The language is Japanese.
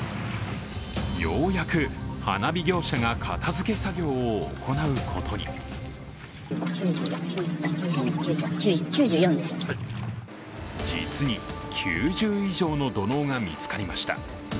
ようやく花火業者が片づけ作業を行うことに実に９０以上の土のうが見つかりました。